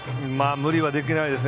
無理はできないですね。